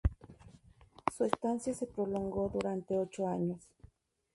Su estancia se prolongó durante ocho años.